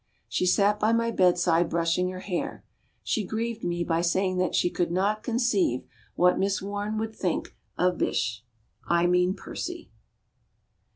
She sat by my bed side, brushing her hair. She grieved me by saying that she could not conceive what Miss Warne would think of Bysshe. I mean Percy.